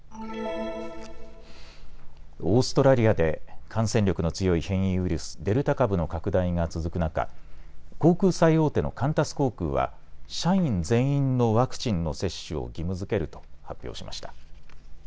オーストラリアで感染力の強い変異ウイルス、デルタ株の拡大が続く中、航空最大手のカンタス航空は社員全員のワクチンの接種を義務づけると発表しました。